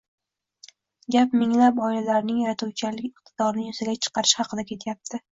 gap minglab oilalarning yaratuvchanlik iqtidorini yuzaga chiqarish haqida ketyapti.